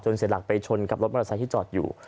จนเสร็จหลักไปชนกับรถมรสชัยที่จอดอยู่